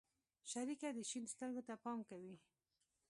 شريکه دې شين سترگو ته پام دى؟